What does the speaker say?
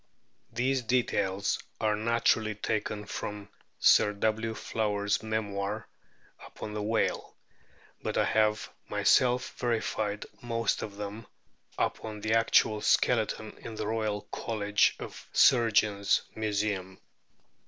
These details are naturally taken from Sir W. Flower's memoir upon the whale, but I have myself verified most of them upon the actual skeleton in the Royal College of Surgeons Museum.